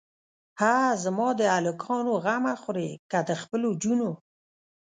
هه زما د الکانو غمه خورې که د خپلو جونو.